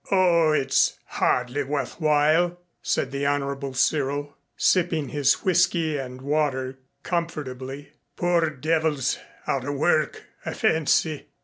"Oh, it's hardly worth while," said the Honorable Cyril, sipping his whiskey and water, comfortably. "Poor devils out of work, I fancy.